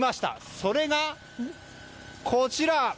それが、こちら。